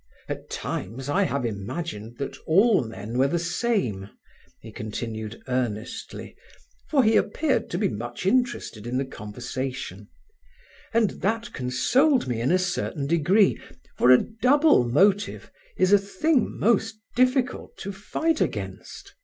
At times I have imagined that all men were the same," he continued earnestly, for he appeared to be much interested in the conversation, "and that consoled me in a certain degree, for a double motive is a thing most difficult to fight against.